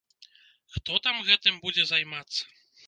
Хто там гэтым будзе займацца?!